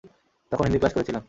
তখন হিন্দি ক্লাস করেছিলাম।